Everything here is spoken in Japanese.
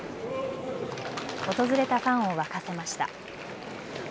訪れたファンを沸かせました。